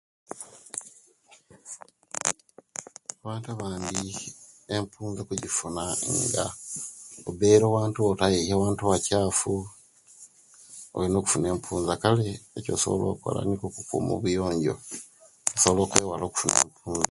Abantu abandi empunza bajjifuna nga obere owaantu owoyeya owantu owakyafu olina okufuna empuza kale ekyosobola okola nikwo okukuma obuyonjo osobola okwewala okufuna enfu